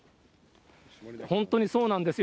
本当にそうなんですよ。